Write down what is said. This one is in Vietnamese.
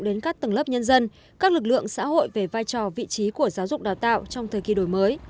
đến các tầng lớp nhân dân các lực lượng xã hội về vai trò vị trí của giáo dục đào tạo trong thời kỳ đổi mới